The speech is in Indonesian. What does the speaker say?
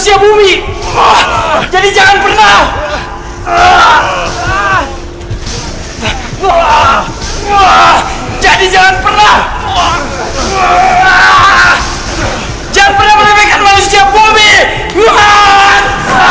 aku akan menghantarkan kalian